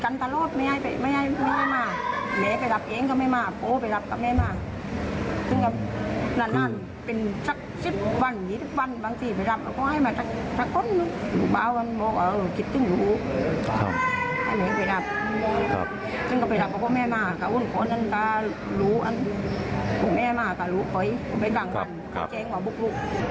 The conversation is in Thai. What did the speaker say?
ซึ่งเขาไปหาลูกเพราะว่าแม่มากอุ่นคนก็รู้แม่มากก็รู้เพราะว่าไม่จังกว่าบุกลูก